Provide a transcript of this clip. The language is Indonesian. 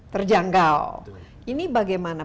terjangkau ini bagaimana